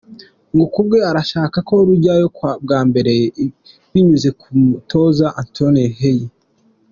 Ngo ku bwe arashaka ko rujyayo bwa mbere binyuze ku mutoza Antoine Hey!